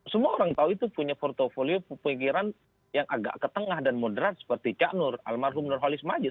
semua orang tahu itu punya portfoliopiran yang agak ke tengah dan moderat seperti cak nur almarhum nurholis majid